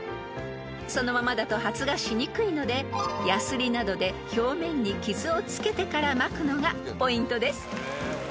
［そのままだと発芽しにくいのでやすりなどで表面に傷をつけてからまくのがポイントです］